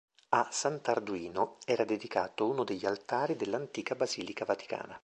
A sant'Arduino era dedicato uno degli altari dell'antica basilica vaticana.